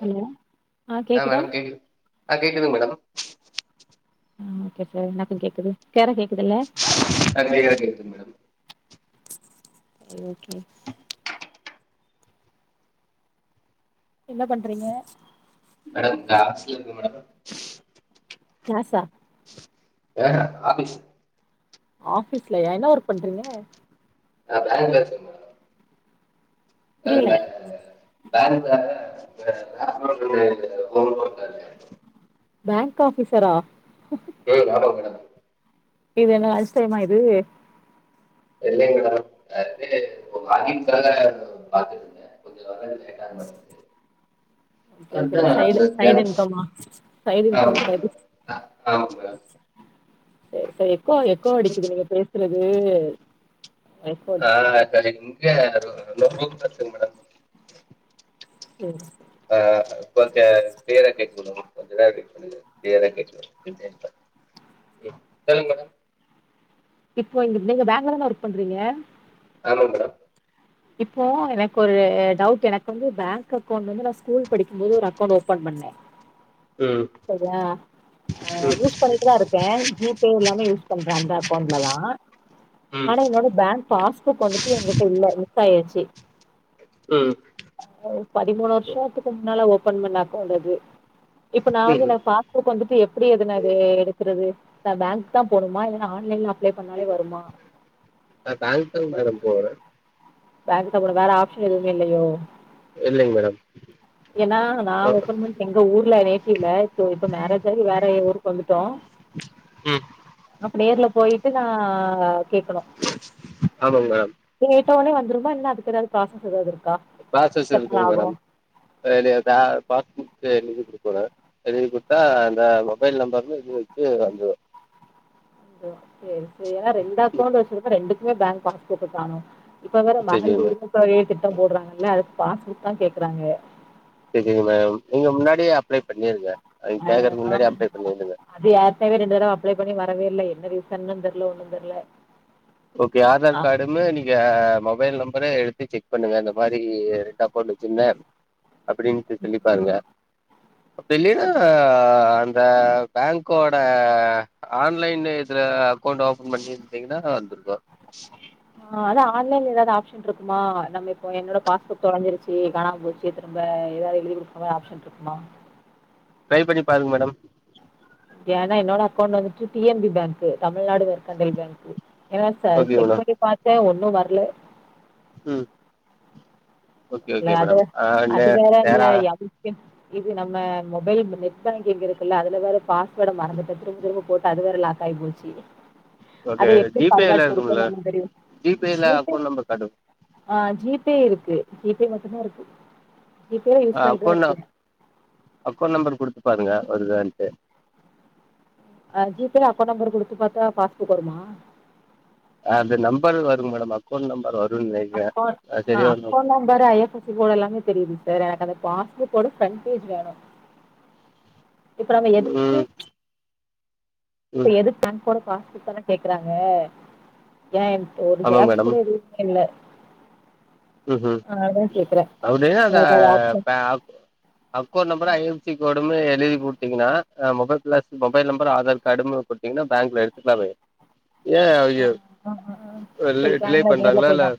hello ஹா கேக்குதா ஹா கேக்குது மேடம் ஆஹ ஓகே சார் எனக்கும் கேக்குது கேர கே கிளியரா கேக்குது மேடம் ஓகே என்ன பண்றீங்க மேடம் கிளாஸ் இருக்கு மேடம் கிளாஸா அஹஹ ஆபீஸ் ஆபீஸ்ல என்ன ஒர்க் பண்றீங்க நான் பேங்க்ல வேலை செய்ற நான் புரியல பேங்கு வேலை [unintelligible] பேங்க் ஆஃபீஸ்ரா டேய் இங்க ஆட்டோவுக்கு இடம் இல்லை இது என்ன லஞ்ச் டைமா இது இல்லை மேடம் நேத்து வாக்கிங் பிரகாரம் பாத்துங்க கொஞ்சம் கேட்டு ஓகே ஓகே சைடு இன்கமா சைடு ஆமா இன்கம்கா மேடம் இது ஆ ஆமா மேடம் செரி செரி எக்கோ எக்கோ அடிக்குது நீங்க பேசுறது எக்கோ அடிக்குது ஆஹா சரிங் இங்க லோக்கஸ் மேடம் சரி ஆஹா கொஞ்சம் கிளியரா கேட்டுக்குனும் கொஞ்ச கிளியரா கேக்கும் சொல்லுங்க மேடம் இப்போங்க நீங்க பேங்கிளதானே ஒர்க் பண்றீங்க ஆமா மேடம் இப்போ எனக்கு ஒரு டவுட் எனக்கு வந்து பேங்க் அக்கவுண்ட் வந்து நான் ஸ்கூல் படிக்கும் போது ஒரு அக்கவுண்ட் ஓபன் பண்ணேன் ம் சரியா ஆஹ யூஸ் பண்ணிட்டு தான் இருக்கேன் ஜிபே எல்லாமே யூஸ் பண்றேன் அந்தான் [unintelligible] ம் ஆனா என்னோட பேங்க் பாஸ்புக் வந்துட்டு எங்கிட்ட இல்ல மிஸ்சாயிருச்சு ம் பதிமூணு ம் வருஷத்துக்கு முன்னால ஒ ஓப்பன் பண்ண அக்கவுண்டது இப்ப நான் வந்து ம் எனக்கு பாஸ்புக் வந்துட்டு எப்படி எதுன அது எடுக்கிறது நா பேங்க் தான் போனுமா இல்லனா ஆன்லைன்ல அப்லே பண்ணாலே வருமா போற பேங்க் த போனும் வேற ஆப்ஷன் எதுவுமே இல்லியோ இல்லைங்க மேடம் ஏன்னா ஆ நான் ஒப்பன் எங்க ஊர்ல இல்ல இப்ப மேரேஜ் ஆகி வேற ஊருக்கு வந்துட்டோம் ம் அப்ப நேர்ல போயிட்டு நா கேட்கணும் ஆமாங்க மேடம் நீங்க டொனே வந் சும்மா இன அதுக்கு எதது பாக்க கூடாது ப்ராசஸ் இருக்குங்க மேடம் [unintelligible] பாஸ்புக் கோடு எழுதி குடுத்தா அந்த மொபைல் நம்பர்ல இது வச்சு வந்து சேரி சேரி ரெண்டு அக்கவுண்டு வச்சிருக்கோம் ரெண்டுக் மே பேங்க் பாஸ்புக்கு காணும் இப்ப வேற சரிங்க மேம் மகளிர்உரிமைத் தொகையை திட்டம் போடுறாங்கல்ல பாஸ்புக் தான் கேக்குறாங்க சேரிங்க மேம் நீங்க முன்னாடியே அப்ளை பண்ணிருங்க அவிங்க ஹ கேக்குறதுக்கு ஆ முன்னாடி அப்ளை பண்ணிருங்க அது யேர்கனவே ரெண்டு தடம் அப்ளை பண்ணி வர் வரவே இல்ல என்ன ரீசன்னு தெரில ஒன்னும் தெரில ஓகே ஆதார் கார்டுமே நீங்க மொபைல் நம்பர எடுத்து செக் பண்ணுங்க இந்த மாரி ரெண்டு அக்கவுண்டு வச்சிருந்தேன் அப்பிடின்ட்டு சொல்லிப்பாருங்க அப்பிடி இல்லன்னா அ அந்த பேங்க்கோட ஆன்லைன் இதில் அக்கௌண்ட் ஓப்பன் பண்ணியிருந்திங்கன்னா வந்துடும் [inaudible] ஆஹ் அதான் ஆன்லைன்ல ஏதாவது ஆப்ஷன் இருக்குமா நம்ம இப்போ என்னோட பாஸ்புர்க் தொலைஞ்சிருச்சு காணாம போச்சு திரும்ப ஏதாவது எழுதி கொடுக்குற மாதிரி ஆப்ஷன் இருக்குமா ட்ரை பண்ணி பாருங்க மேடம் ஏன்னா என்னோட அக்கௌண்ட் வந்துட்டு டிஎன்பி பேங்க்கு தமிழ்நாடு மெர்கண்டல் பேங்க்கு என சார் ஓகே செக் பண்ணி பார்த்தேன் ஒன்னு இன்னும் வரல ஹம் ல்ல அது வந் அது நே வேற இந்த நேரா எம் கே இது நம்ம மொபைல் ந்த நெட் பேங்கிங் இருக்குல்ல அதுல வேற பாஸ்வேர்ட்ட மறந்துட்டு திரும்ப திரும்ப போட்டு அது வேற லாக் ஆகி போச்சு ஓகே அத எப்படி ஜிபேல பர்காட் இருக்கும்ல கொடுக்கனும் தெரியல ஜிபேல ஜிபே அக்கௌண்ட் நம்பர் காட்டுங்க ஆஹ ஜிபே இருக்கு ஜிபே மட்டும் தான் இருக்கு ஜிபே யூஸ் ஆஹ பண்ணிட்டுதா அக்கௌண்ட் ந இருக்கே அக்கௌண்ட் நம்பர் கொடுத்த பாருங்க வருதாண்டு ஆஹ் ஜிபே அக்கௌண்ட் நம்பர் குடுத்து பார்த்தா பாஸ்புக் வருமா அது நம்பர் வருங்க மேடம் அக்கௌண்ட் நம்பர் வரும் அக் அஹ் அக்கௌண்ட நம்பர் ஐயப்ஃபசி கோட் எல்லாமே தெரியுது வேற எனக்கு பாஸ்புக்கோட ஃரெண்ட பேஜ் வேணும் இப்ப நம்ம எதுக்கு ம் ம் இப்ப எது பங்க் போற பாஸ்புக்த்தானே கேக்குறாங்க ஏன் எண்ட ஒரு ஆமாங்க ஜெராக்ஸ் கூட எதுமே இல்ல ஹம்ஹும் அதா கேக்குறே அவனே ந்தா எனக்கு அது option பங் account number IFSC code ரெண்டுமே எழுதிகொடுத்தீங்கனா அ mobile plus mobile number Aadhaar card பாத்தீங்க பேங்க்ல எடுத்துக்கலாமே ஏன் அவிங்க ஆஹ் ஆஹ்ஹ் லே சரி டிலே பெங்க நெர்ல போய்தான்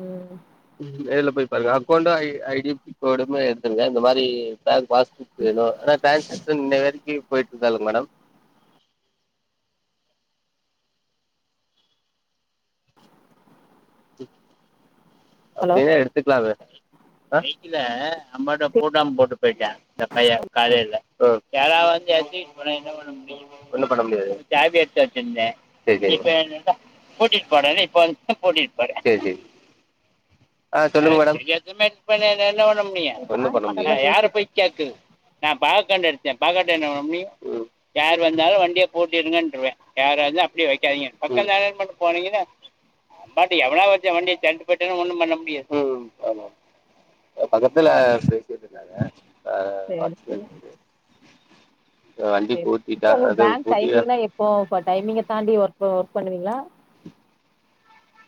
உம் ம் நேர்ல போய் பாருங்க அக்கௌண்ட ஐடிகோடுமே எடுத்துருங்க இந்த மாதிரி பேங்க் பா ஒகே ஆனால் பேங்கு பாஸ் இது இன்னவரைக்கு போயிட்டு இருக்காங்க மேடம் இத்து ஹலோ அப்படின்னா எடுத்துக்கலாம்ல வெஹிகிள அம்மா தா பூட்டாமா போட்டு போயிட்டன் இந்த பையா காலைல்ல யாரவது எடுத்துட்டு போட்ட என்ன பண்ண முடியும் ஒன்றும் பண்ண முடியாதுசாவி எடுத்து வச்சுருந்தேன் இப்ப என்ட அஹ் சொல்லுங்க மேடம் முடிய ஒண்ணும் சாரு பண்ண முடிய பக்கத்துல யாரை பேசிட்டு போய் கேக்குது நான் பாக் பக்க எடுத்தேன் பக்க என்ன முடியும் யார் வந்தாலும் வண்டிய போட்டிருங்க இருவேன் யார வந்து அப்படியே வைக்காதீங்க பக்கம் தான ண்ட்டு போனீங்கன்னா பாட்டு எவனா ஒருத்தன் வண்டிய தள்ளிட்டு போயிட்டோ ஒண்ணும் பண்ண முடியாது உம் ஆமா இ பக்கத்துல பேசிட்டு இருக்காங்க ஆ வாட்ச்மேன் சரிக்கும் வண்டி சரி பூட்டிட்டா இப்ப அது பேங்க் பூட்டியா டைமி்ங்கலாம் எப்போ இ டைமிங்க தாண்டி ஒர்க் பண்ணுவீங்களா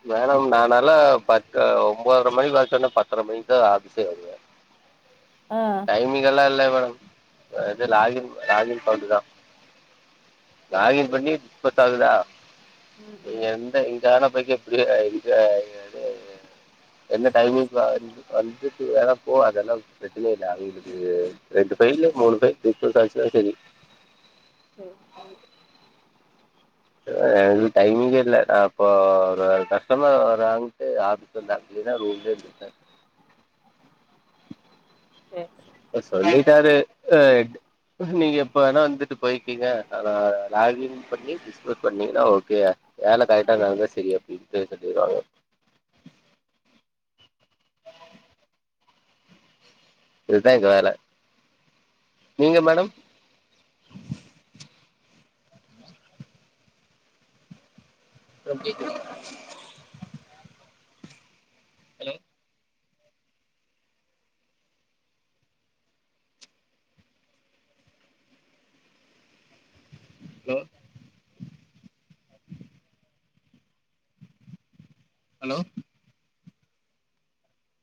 மேடம் நானால பத்து ஒன்பதரை மணி சொன்னா பத்தரை மணிக்கு தான் ஆபசே வருவேன் ஆ டைமங்கல்லாம் எல்ல டம் இது ரலாகில் லாகில் பவுட்டு தான் சேரி லாகின் சேரி பண்ணிப்ப இருக்காகுதா ம் நீங்க ம் எந்த இதான [unintelligible] அப்படிய இதுக்க என்ன டைமிங் வ வந்துட்டு வேறாம் போ அதெல்லாம் பிரச்சனை இல்லை அவங்களுக்கு ரெண்டு பயர்ல மூணு பயல்லு தான் சரி ஹம் ஹ்ம்ம் எனக்கு டைமிங்கே இல்லை ந அப்போ ஒரு கஷ்டமா வறங்கட்டு ஆபீஸ் வந்தன்னா ரூம்ய இருந்தேன் செரி சொல்லிட்டாரு நீங்க இப்ப வேணா வந்துட்டு போய்க்கீங்க ஆனா லாகின் பண்ணி பண்ணீங்கன்னா ஓகே வேலை கரைட்டா சேரி நடந்தா சரியோ [unintelligible] இதுதான்எங்க வேலை நீங்க மேடம் [unintelligible] ஹலோ ஹலோ ஹலோ